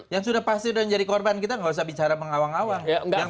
yang sudah pasti sudah menjadi korban kita nggak usah bicara mengawang awang